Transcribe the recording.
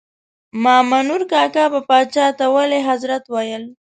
مامنور کاکا به پاچا ته ولي حضرت ویل.